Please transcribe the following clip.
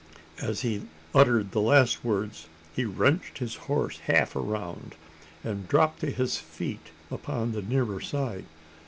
As he uttered the last words, he wrenched his horse half around, and dropped to his feet upon the nearer side.